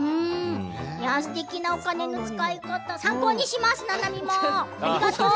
すてきなお金の使い方参考にします。